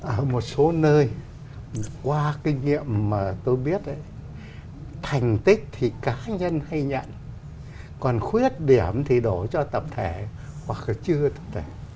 ở một số nơi qua kinh nghiệm mà tôi biết đấy thành tích thì cá nhân hay nhận còn khuyết điểm thì đổ cho tập thể hoặc là chưa tập thể